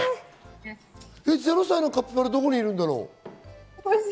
０歳のカピバラ、どこにいるんだろう？